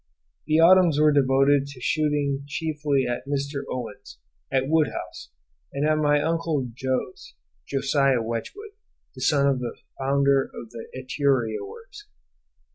The autumns were devoted to shooting chiefly at Mr. Owen's, at Woodhouse, and at my Uncle Jos's (Josiah Wedgwood, the son of the founder of the Etruria Works.)